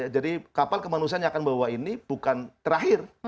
jadi kapal kemanusiaan yang akan bawa ini bukan terakhir